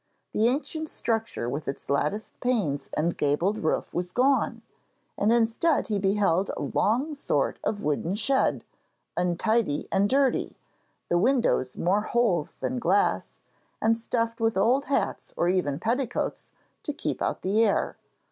The ancient structure with its latticed panes and gabled roof was gone, and instead he beheld a long sort of wooden shed, untidy and dirty, the windows more holes than glass, and stuffed with old hats or even petticoats to keep out the air.